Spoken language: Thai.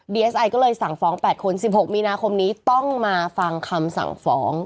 เอสไอก็เลยสั่งฟ้อง๘คน๑๖มีนาคมนี้ต้องมาฟังคำสั่งฟ้อง